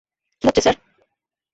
কী হচ্ছে স্যার?